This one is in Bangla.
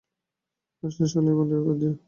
কাজ শেষ হলে এটা ভান্ডারে ফেরত দিও।